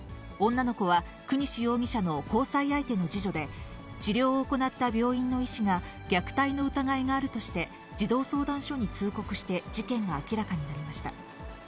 女の子は、國司容疑者の交際相手の次女で、治療を行った病院の医師が虐待の疑いがあるとして、児童相談所に通告して、事件が明らかになりました。